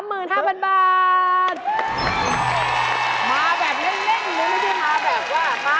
มาแบบเล่นหรือไม่ได้มาแบบว่า